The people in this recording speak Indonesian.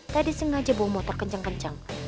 tadi sengaja bom motor kencang kencang